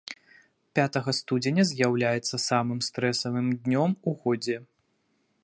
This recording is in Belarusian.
Пятага студзеня з'яўляецца самым стрэсавым днём у годзе.